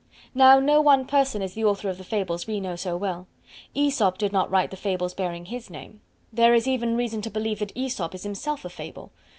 Now, no one person is the author of the Fables we know so well. Aesop did not write the Fables bearing his name. There is even reason to believe that Aesop is himself a Fable.